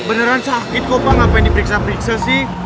beneran sakit kok bang ngapain diperiksa periksa sih